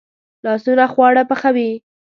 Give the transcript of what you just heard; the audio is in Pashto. لاسونه خواړه پخوي